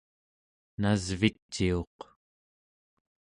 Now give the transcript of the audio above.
nasviciuq